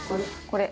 これ。